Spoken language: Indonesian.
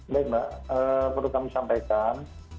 baik mbak perlu kami sampaikan